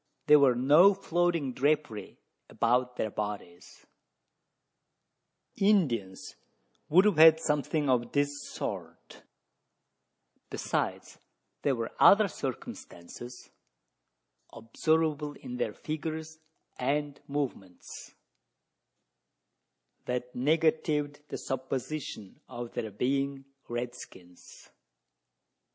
There was no floating drapery about their bodies Indians would have had something of this sort; besides there were other circumstances observable in their figures and movements, that negatived the supposition of their being red skins.